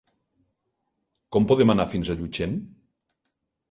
Com podem anar fins a Llutxent?